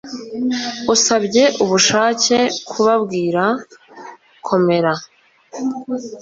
Usibye Ubushake bubabwira Komera